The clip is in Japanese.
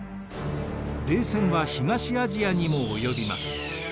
冷戦は東アジアにも及びます。